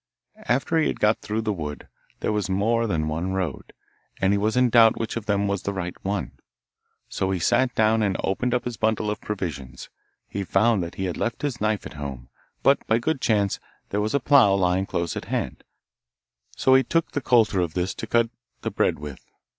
After he had got through the wood, there was more than one road, and he was in doubt which of them was the right one, so he sat down and opened up his bundle of provisions. He found he had left his knife at home, but by good chance, there was a plough lying close at hand, so he took the coulter of this to cut the bread with.